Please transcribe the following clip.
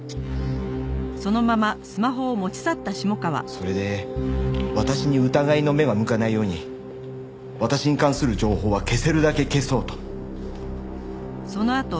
それで私に疑いの目が向かないように私に関する情報は消せるだけ消そうと。